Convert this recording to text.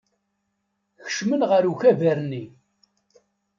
Kecmen ɣer ukabar-nni.